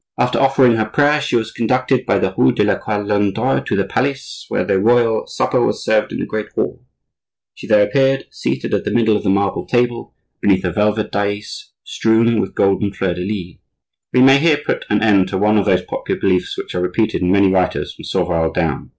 After offering her prayer, she was conducted by the rue de la Calandre to the palace, where the royal supper was served in the great hall. She there appeared, seated at the middle of the marble table, beneath a velvet dais strewn with golden fleur de lis." We may here put an end to one of those popular beliefs which are repeated in many writers from Sauval down.